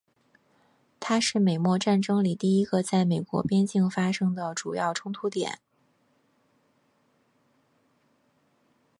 它是美墨战争里第一个在美国边境发生的主要冲突点。